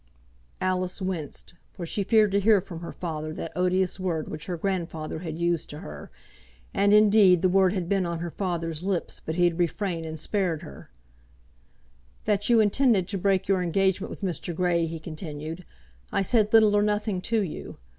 Alice winced, for she feared to hear from her father that odious word which her grandfather had used to her; and indeed the word had been on her father's lips, but he had refrained and spared her "that you intended to break your engagement with Mr. Grey," he continued, "I said little or nothing to you.